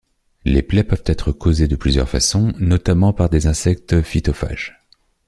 Les plaies peuvent être causées de plusieurs façons, notamment par des insectes phytophages.